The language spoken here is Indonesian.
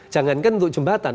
jangankan untuk jembatan